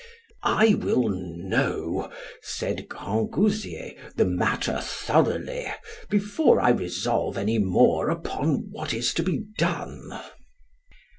I will know, said Grangousier, the matter thoroughly, before I resolve any more upon what is to be done.